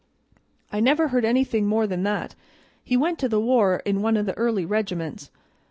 "I never heard anything more than that; he went to the war in one o' the early regiments.